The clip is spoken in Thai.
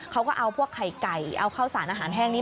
เขาก็เอาพวกไข่ไก่เอาข้าวสารอาหารแห้งนี้